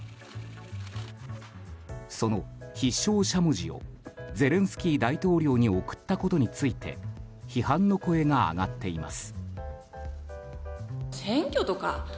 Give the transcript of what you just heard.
その必勝しゃもじをゼレンスキー大統領に贈ったことについて批判の声が上がっています。